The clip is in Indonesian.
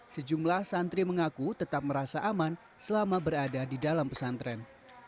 sejumlah santri mengaku tetap merasa aman selama berada di dalam pesantren